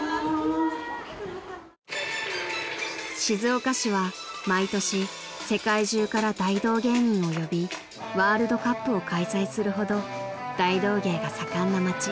［静岡市は毎年世界中から大道芸人を呼びワールドカップを開催するほど大道芸が盛んな街］